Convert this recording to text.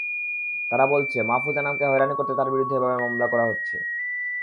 তারা বলছে, মাহফুজ আনামকে হয়রানি করতে তাঁর বিরুদ্ধে এভাবে মামলা করা হচ্ছে।